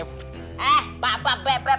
eh bapak bebet